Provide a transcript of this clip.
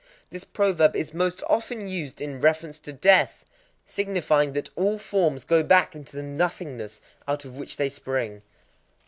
This proverb is most often used in reference to death,—signifying that all forms go back into the nothingness out of which they spring.